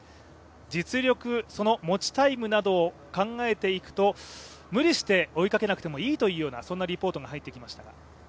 実力、その持ちタイムなどを考えていくと無理して追いかけなくてもいいというようなリポートも入ってきましたが。